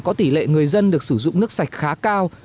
có tỷ lệ người dân được sử dụng nước sạch khá cao